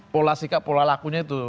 pola sikap pola lakunya itu